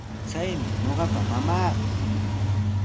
Chaymi ñuqapa mamaaqa.